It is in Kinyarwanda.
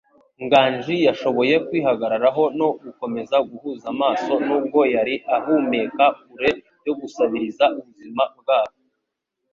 Nganji yashoboye kwihagararaho no gukomeza guhuza amaso, nubwo, yari ahumeka kure yo gusabiriza ubuzima bwabo.